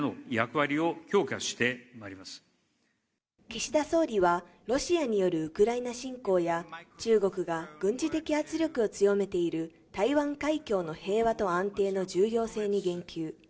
岸田総理は、ロシアによる軍事侵攻や中国が軍事的圧力を強めている台湾海峡の平和と安定の重要性に言及。